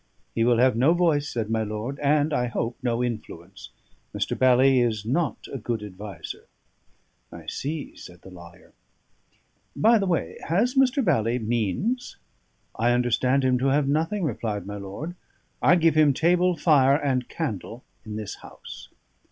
"He will have no voice," said my lord; "and, I hope, no influence. Mr. Bally is not a good adviser." "I see," said the lawyer. "By the way, has Mr. Bally means?" "I understand him to have nothing," replied my lord. "I give him table, fire, and candle in this house."